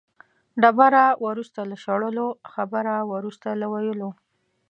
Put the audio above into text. ډبره وروسته له شړلو، خبره وروسته له ویلو.